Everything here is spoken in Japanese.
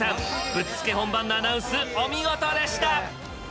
ぶっつけ本番のアナウンスお見事でした！